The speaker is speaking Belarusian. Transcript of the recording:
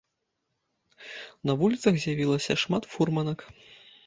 На вуліцах з'явілася шмат фурманак.